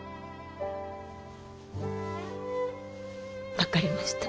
分かりました。